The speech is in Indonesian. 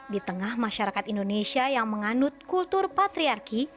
di tengah masyarakat indonesia yang menganut kultur patriarki